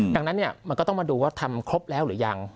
ดังนั้นมันก็ต้องมาดูว่าทำครบแล้วหรือยัง